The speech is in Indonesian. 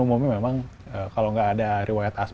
umumnya memang kalau nggak ada riwayat asli